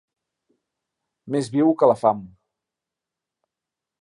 Més viu que la fam.